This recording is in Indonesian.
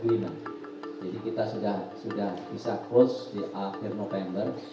jadi kita sudah bisa close di akhir november